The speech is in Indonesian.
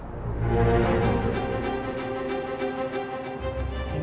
selamat mengalahi kamu